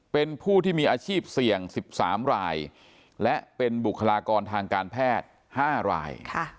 เป็นผู้ที่มีอาชีพเสี่ยง๑๓รายและเป็นบุคลากรทางการแพทย์๕ราย